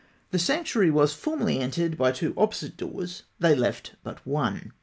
The sanctuary was formerly entered by two opposite doors; they left but one.